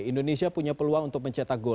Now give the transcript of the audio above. indonesia punya peluang untuk mencetak gol